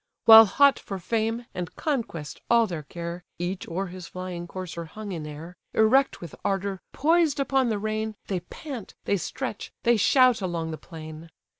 While hot for fame, and conquest all their care, (Each o'er his flying courser hung in air,) Erect with ardour, poised upon the rein, They pant, they stretch, they shout along the plain.